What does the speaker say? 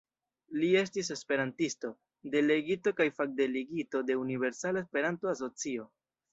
Li estis esperantisto, delegito kaj fakdelegito de Universala Esperanto-Asocio.